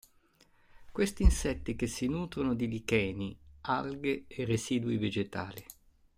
Questi insetti si nutrono di licheni, alghe e residui vegetali.